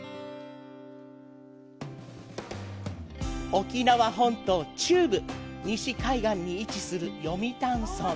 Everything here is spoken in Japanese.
沖縄本島中部西海岸に位置する読谷村。